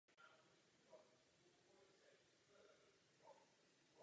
Redakce funguje na dobrovolnické bázi.